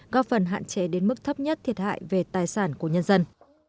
góp phần hạn chế đến mức thấp nhất thiệt hại về tài sản của nhân dân